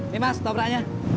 nih mas topraknya